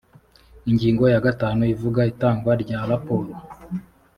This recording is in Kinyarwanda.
ingingo ya gatanu ivuga itangwa rya raporo